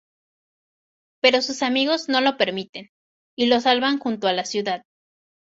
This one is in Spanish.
Pero sus amigos no lo permiten, y lo salvan junto a la ciudad.